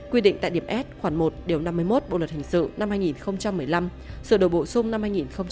quy định tại điểm s khoảng một điều năm mươi một bộ luật hình sự năm hai nghìn một mươi năm sửa đổi bổ sung năm hai nghìn một mươi bảy